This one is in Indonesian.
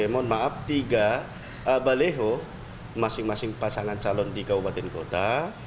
mohon maaf tiga baleho masing masing pasangan calon di kabupaten kota